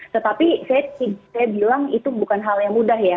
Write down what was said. tetapi saya bilang itu bukan hal yang mudah ya